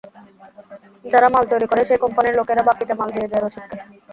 যারা মাল তৈরি করে, সেই কম্পানির লোকেরা বাকিতে মাল দিয়ে যায় রশিদকে।